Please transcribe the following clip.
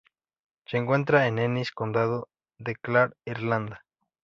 Se encuentra en Ennis, Condado de Clare, Irlanda.